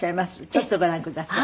ちょっとご覧ください。